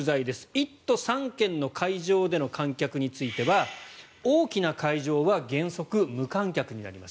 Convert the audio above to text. １都３県の会場での観客については大きな会場は原則無観客になります。